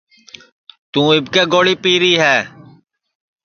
توں اِٻکے گوݪی پیری ہے